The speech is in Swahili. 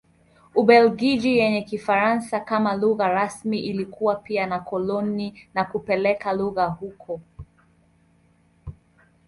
Ubelgiji yenye Kifaransa kama lugha rasmi ilikuwa pia na koloni na kupeleka lugha huko.